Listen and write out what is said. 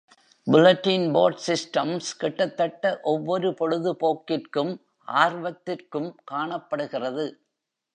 Bulletin Board Systems கிட்டத்தட்ட ஒவ்வொரு பொழுதுபோக்கிற்கும் ஆர்வத்திற்கும் காணப்படுகிறது.